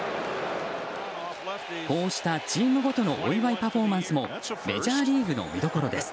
こうしたチームごとのお祝いパフォーマンスもメジャーリーグの見どころです。